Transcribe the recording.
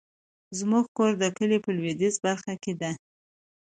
زمونږ کور د کلي په لويديځه برخه کې ده